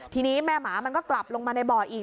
ทีนี้แม่หมามันก็กลับลงมาในบ่ออีก